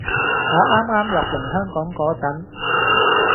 我啱啱落嚟香港嗰陣